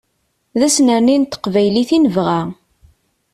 D anserni n teqbaylit i nebɣa.